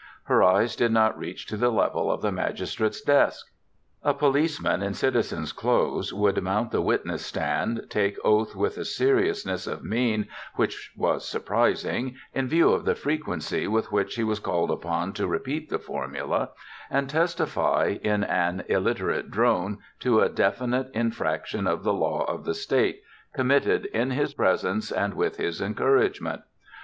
Her eyes did not reach to the level of the magistrate's desk. A policeman in citizen's clothes would mount the witness stand, take oath with a seriousness of mien which was surprising, in view of the frequency with which he was called upon to repeat the formula, and testify in an illiterate drone to a definite infraction of the law of the State, committed in his presence and with his encouragement.